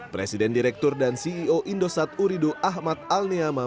presiden direktur dan ceo indosat urido ahmad al neama